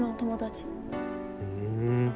ふん。